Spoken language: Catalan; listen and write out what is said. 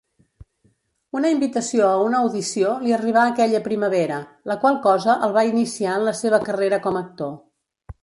Una invitació a una audició li arribà aquella primavera, la qual cosa el va iniciar en la seva carrera com actor.